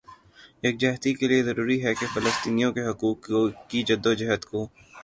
یکجہتی کےلئے ضروری ہے کہ فلسطینیوں کے حقوق کی جدوجہد کو